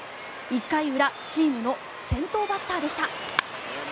１回裏チームの先頭バッターでした。